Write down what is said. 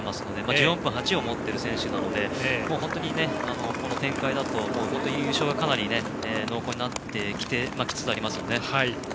１４分８を持っている選手なのでこの展開だと優勝がかなり濃厚になってきつつありますよね。